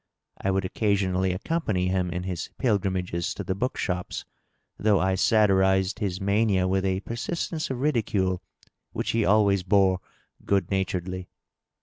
I would occasionally accompany him in his pilgrimages to the book shops, though I satirized his mania with a persistence of ridicule which he always tore good naturedly.